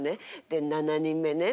で７人目ね。